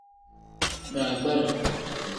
Baagbara.